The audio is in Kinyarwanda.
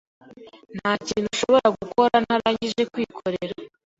Ntakintu ushobora gukora ntarangije kwikorera.